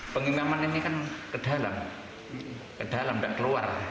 pengingaman ini kan ke dalam ke dalam gak keluar